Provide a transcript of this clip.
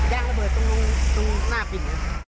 ยางระเบิดตรงหน้าปิ่น